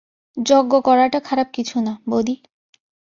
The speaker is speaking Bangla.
যজ্ঞ করাটা খারাপ কিছু না, বৌদি।